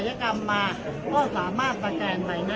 อันนี้คือ๑จานที่คุณคุณค่อยอยู่ด้านข้างข้างนั้น